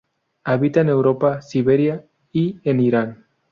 Habita en Europa, Siberia y en Irán.